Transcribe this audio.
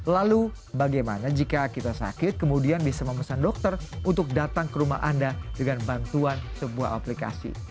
lalu bagaimana jika kita sakit kemudian bisa memesan dokter untuk datang ke rumah anda dengan bantuan sebuah aplikasi